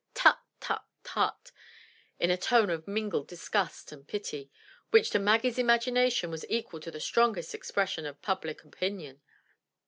tut, tut, tut," in a tone of mingled disgust and pity, which to Maggie's imagination was equal to the strongest expression of public opinion.